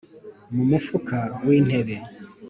Mu mufuka w intebe